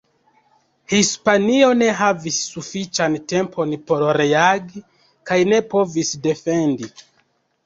Hispanio ne havis sufiĉan tempon por reagi, kaj ne povis defendi.